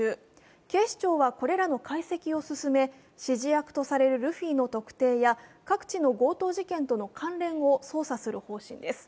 警視庁は、これらの解析を進め、指示役とされるルフィの特定や各地の強盗事件との関連を捜査する方針です。